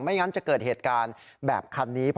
งั้นจะเกิดเหตุการณ์แบบคันนี้